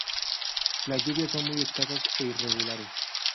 Las lluvias son muy escasas e irregulares.